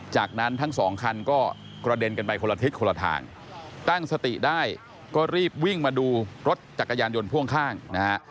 จากนั้นทั้งสองคันก็กระเด็นกันไปคนละทิศคนละทางตั้งสติได้ก็รีบวิ่งมาดูรถจักรยานยนต์พ่วงข้างนะฮะ